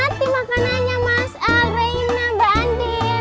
selamat menikmati makanannya mas al reina mbak andin